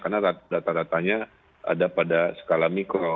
karena data datanya ada pada skala mikro